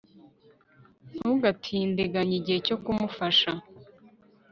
ntugatindiganye igihe cyo kumufasha